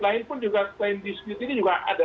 lain pun juga klaim dispute ini juga ada